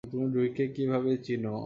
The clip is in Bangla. তুমি ড্রুইগকে কীভাবে চিনো?